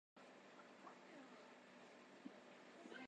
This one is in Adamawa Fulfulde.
Sey to goɗɗo woodaa, o yaha o itta laral wamnde.